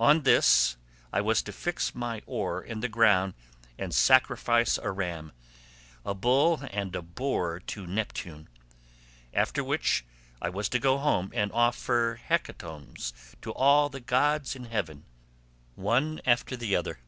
On this, I was to fix my oar in the ground and sacrifice a ram, a bull, and a boar to Neptune; after which I was to go home and offer hecatombs to all the gods in heaven, one after the other.